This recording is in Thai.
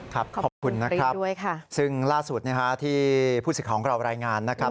ขอบคุณนะครับซึ่งล่าสุดที่ผู้สิทธิ์ของเรารายงานนะครับ